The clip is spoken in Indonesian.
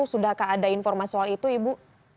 sudahkah ada informasi soal itu ibu